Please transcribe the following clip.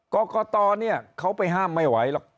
กรกตเนี่ยเขาไปห้ามไม่ไหวหรอก